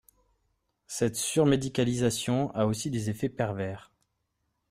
Cette surmédicalisation a aussi des effets pervers.